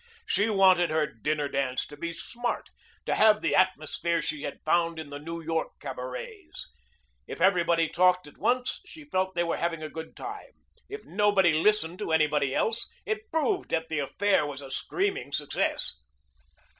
She wanted her dinner dance to be smart, to have the atmosphere she had found in the New York cabarets. If everybody talked at once, she felt they were having a good time. If nobody listened to anybody else, it proved that the affair was a screaming success.